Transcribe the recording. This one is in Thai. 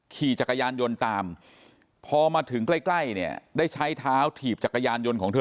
ขี่จักรยานยนต์ตามพอมาถึงใกล้เนี่ยได้ใช้เท้าถีบจักรยานยนต์ของเธอ